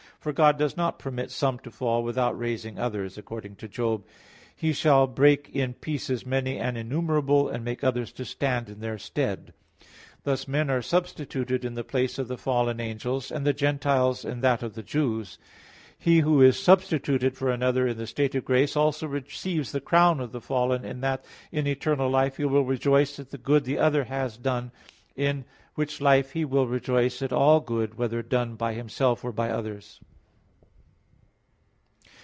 For God does not permit some to fall, without raising others; according to Job 34:24: "He shall break in pieces many and innumerable, and make others to stand in their stead." Thus men are substituted in the place of the fallen angels; and the Gentiles in that of the Jews. He who is substituted for another in the state of grace, also receives the crown of the fallen in that in eternal life he will rejoice at the good the other has done, in which life he will rejoice at all good whether done by himself or by others.